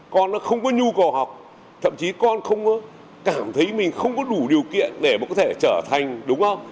con nó không có nhu cầu học thậm chí con không cảm thấy mình không có đủ điều kiện để có thể trở thành đúng không